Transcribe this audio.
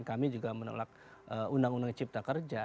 kami juga menolak undang undang cipta kerja